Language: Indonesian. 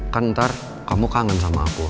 kan ntar kamu kangen sama aku